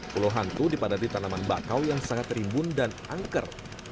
pulau hantu dipadati tanaman bakau yang sangat rimbun dan angker